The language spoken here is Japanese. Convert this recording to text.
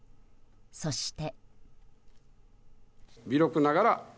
そして。